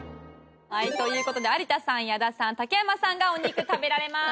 はいという事で有田さん矢田さん竹山さんがお肉食べられます。